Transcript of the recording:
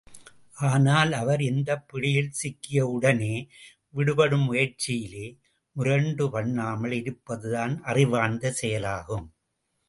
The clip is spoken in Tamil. ஆனால், அவர் இந்தப் பிடியில் சிக்கிய உடனே, விடுபடும் முயற்சியிலே முரண்டு பண்ணாமல் இருப்பதுதான் அறிவார்ந்த செயலாகும்.